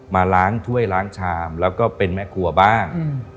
มาล้างถ้วยล้างชามแล้วก็เป็นแม่ครัวบ้าง